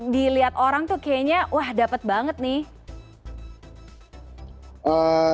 dilihat orang tuh kayaknya wah dapet banget nih